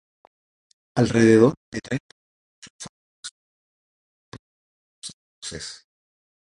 Alrededor de treinta dibujos fueron el resultado, probando numerosas poses.